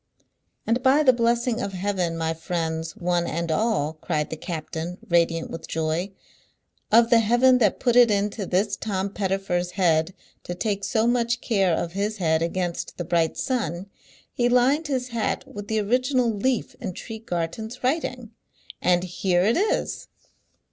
"And by the blessing of Heaven, my friends, one and all," cried the captain, radiant with joy, "of the Heaven that put it into this Tom Pettifer's head to take so much care of his head against the bright sun, he lined his hat with the original leaf in Tregarthen's writing, and here it is!"